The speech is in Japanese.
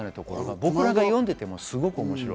僕らが読んでいてもすごく面白い。